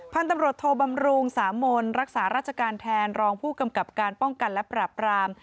พันธุ์ตำรวจโทบำรุงสามนรักษาราชการแทนรองผู้กำกับการป้องกันและปรับราม